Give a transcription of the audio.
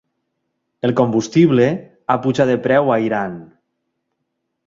El combustible ha pujat de preu a Iran